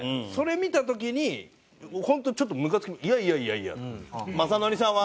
それ見た時に本当ちょっとムカつきいやいやいやと。